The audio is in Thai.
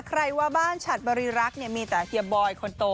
ใครว่าบ้านฉัดบริรักษ์เนี่ยมีแต่เฮียบอยคนโต